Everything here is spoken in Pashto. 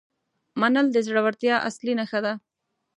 منل د زړورتیا اصلي نښه ده.